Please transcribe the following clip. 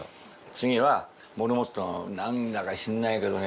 次はモルモット何だか知んないけどね